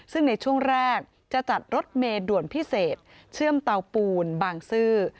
ซึ่งในช่วงแรกจะจัดรถเมด่วนพิเศษเชื่อมเตาปูนบางซื่อ